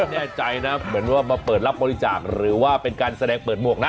แน่ใจนะเหมือนว่ามาเปิดรับบริจาคหรือว่าเป็นการแสดงเปิดหมวกนะ